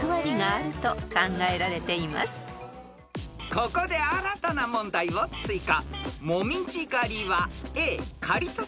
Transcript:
［ここで新たな問題を追加］